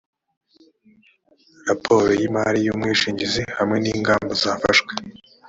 raporo y’imari y’umwishingizi hamwe n’ingamba zafashwe